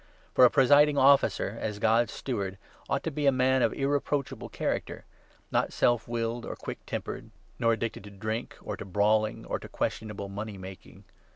For a Presiding Officer, as God's steward, ought to be a man 7 of irreproachable character ; not self willed or quick tempered, nor addicted to drink or to brawling or to questionable money making.